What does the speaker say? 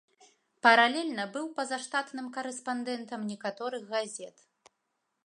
Паралельна быў пазаштатным карэспандэнтам некаторых газет.